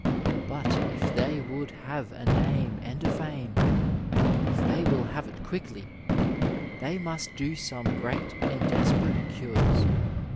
But if they would have a name and a fame, if they will have it quickly, they must do some great and desperate cures.